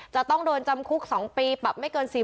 จะต้องโดนจำคุก๒ปีปรับไม่เกิน๔๐